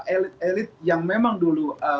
elit elit yang memang dulu